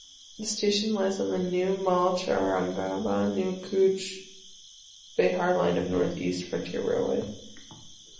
The station lies on the New Mal–Changrabandha–New Cooch Behar line of Northeast Frontier Railway.